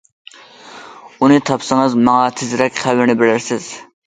ئۇنى تاپسىڭىز ماڭا تېزرەك خەۋىرىنى بىرەرسىز.